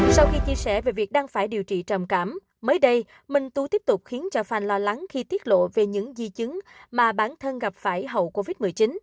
sau khi chia sẻ về việc đang phải điều trị trầm cảm mới đây minh tú tiếp tục khiến cho phanh lo lắng khi tiết lộ về những di chứng mà bản thân gặp phải hậu covid một mươi chín